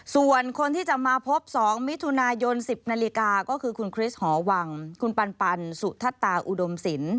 ส่วนคนที่จะมาพบ๒มิถุนายน๑๐นาฬิกาก็คือคุณคริสหอวังคุณปันสุธตาอุดมศิลป